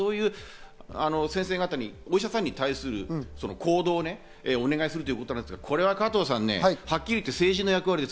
開業医のお医者さんも含めたお医者さんに対する行動をお願いするということですが、これは加藤さんね、はっきり言って政治の役割です。